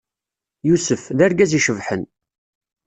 Yusef, d argaz icebḥen.